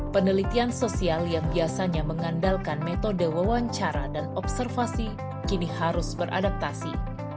penelitian sosial yang biasanya mengandalkan metode wawancara dan observasi kini harus beradaptasi